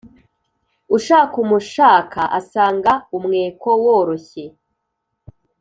Ushaka umushaka asanga umweko woroshye.